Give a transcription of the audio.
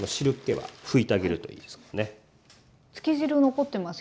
はい。